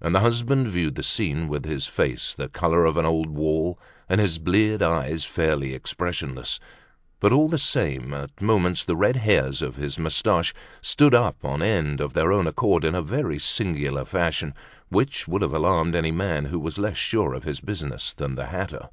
And the husband viewed the scene with his face the color of an old wall and his bleared eyes fairly expressionless; but all the same, at moments the red hairs of his moustaches stood up on end of their own accord in a very singular fashion, which would have alarmed any man who was less sure of his business than the hatter.